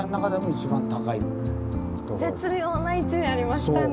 絶妙な位置にありましたね。